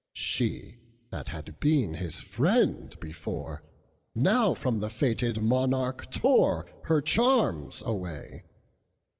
She, that had been his friend before, Now from the fated monarch toreHer charms away.